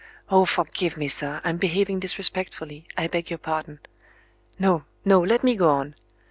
"Oh, forgive me, sir! I'm behaving disrespectfully; I beg your pardon. No, no; let me go on.